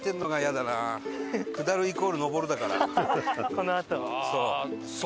このあと。